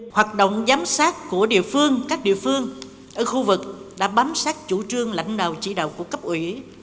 hoạt động giám sát của địa phương các địa phương ở khu vực đã bám sát chủ trương lãnh đạo chỉ đạo của cấp ủy